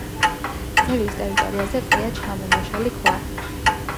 ძეგლის ტერიტორიაზე ყრია ჩამონაშალი ქვა.